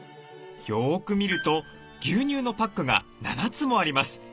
よく見ると牛乳のパックが７つもあります。